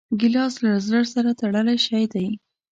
ګیلاس له زړه سره تړلی شی دی.